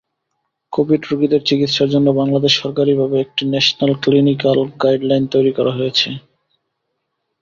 Covid রোগীদের চিকিৎসার জন্য বাংলাদেশে সরকারিভাবে একটি ন্যাশনাল ক্লিনিকাল গাইডলাইন তৈরি করা হয়েছে।